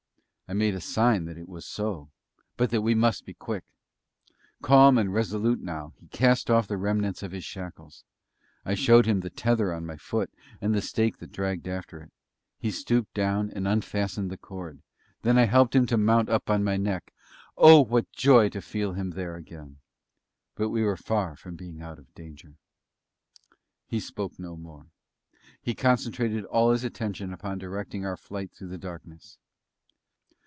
I made a sign that it was so, but that we must be quick. Calm and resolute now, he cast off the remnants of his shackles. I showed him the tether on my foot, and the stake that dragged after it. He stooped down and unfastened the cord; then I helped him to mount up on my neck.... Oh! what joy to feel him there again! But we were far from being out of danger. He spoke no more. He concentrated all his attention upon directing our flight through the darkness.